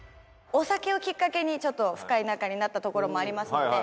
お酒をきっかけにちょっと深い仲になったところもありますので。